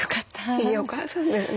いいお母さんですね。